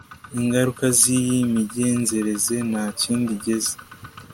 Ingaruka ziyi migenzereze nta kindi igeza